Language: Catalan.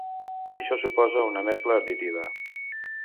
Això suposa una mescla additiva.